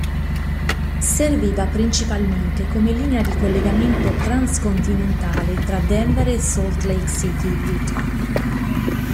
Serviva principalmente come linea di collegamento transcontinentale tra Denver e Salt Lake City, Utah.